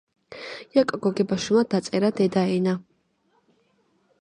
იაკობ გოგებაშვილმა დაწერა დედაენა